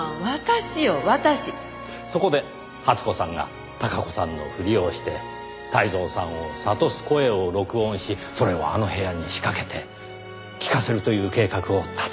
そこで初子さんが孝子さんのふりをして泰造さんを諭す声を録音しそれをあの部屋に仕掛けて聞かせるという計画を立てた。